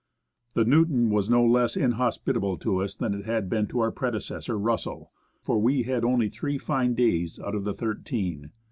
The Newton was no less inhospitable to us than it had been to our predecessor, Russell, for we had only three fine days out of the thirteen.